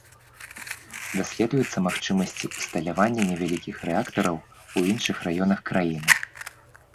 Даследуюцца магчымасці ўсталявання невялікіх рэактараў у іншых раёнах краіны.